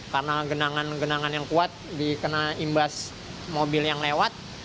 karena genangan genangan yang kuat dikena imbas mobil yang lewat